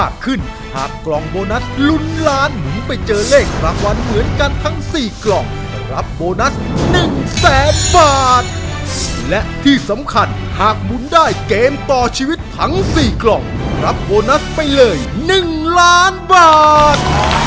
ขึ้นหากกล่องโบนัสลุ้นล้านหมุนไปเจอเลขรับวันเหมือนกันทั้งสี่กล่องรับโบนัสหนึ่งแสนบาทและที่สำคัญหากหมุนได้เกมต่อชีวิตทั้งสี่กล่องรับโบนัสไปเลยหนึ่งล้านบาท